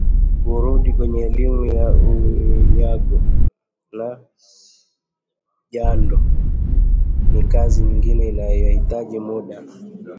Kurudi kwenye elimu ya unyago na jando ni kazi nyingine inayohitaji muda